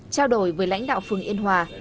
trao đổi với lãnh đạo phường yên hòa